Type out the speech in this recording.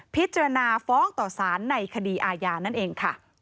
พิจารณาฟ้องต่อสารในคดีอาญานั่นเองค่ะ